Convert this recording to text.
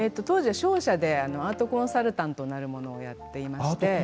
当時は商社でアートコンサルタントなるものをやっていまして。